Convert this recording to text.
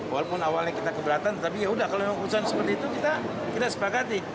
walaupun awalnya kita keberatan tapi yaudah kalau memang keputusan seperti itu kita sepakati